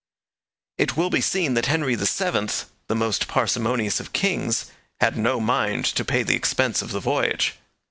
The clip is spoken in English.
It will be seen that Henry VII, the most parsimonious of kings, had no mind to pay the expense of the voyage.